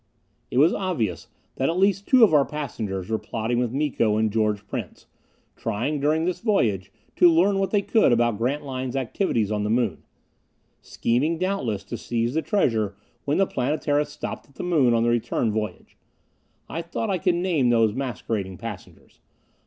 It was obvious that at least two of our passengers were plotting with Miko and George Prince; trying during this voyage to learn what they could about Grantline's activities on the Moon; scheming doubtless to seize the treasure when the Planetara stopped at the Moon on the return voyage. I thought I could name those masquerading passengers.